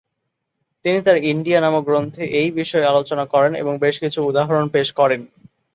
তিনি তার "ইন্ডিয়া" নামক গ্রন্থে এই বিষয়ে আলোচনা করেন এবং বেশ কিছু উদাহরণ পেশ করেন।